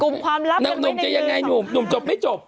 คุมความลับนุ่มจะยังไงนุ่มจบไม่จบ